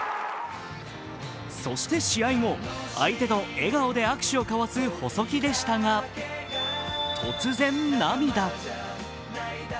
そして試合後、相手と笑顔で握手を交わす細木でしたが、突然、涙。